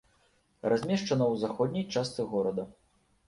Размешчана ў заходняй частцы горада.